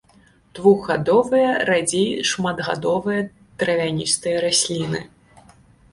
Двухгадовыя, радзей шматгадовыя травяністыя расліны.